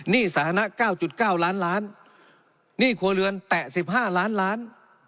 นี่สาธารณะเก้าจุดเก้าล้านล้านนี่ขัวเรือนแตะสิบห้าร้านล้าน